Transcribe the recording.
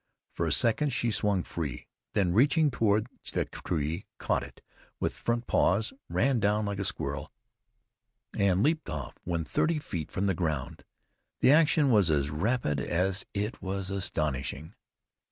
For a second she swung free, then reaching toward the tree caught it with front paws, ran down like a squirrel, and leaped off when thirty feet from the ground. The action was as rapid as it was astonishing.